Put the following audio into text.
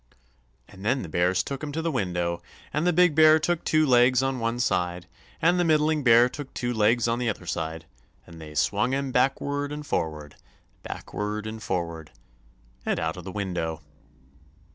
And then the bears took him to the window, and the big bear took two legs on one side and the middling bear took two legs on the other side, and they swung him backward and forward, backward and forward, and out of the window.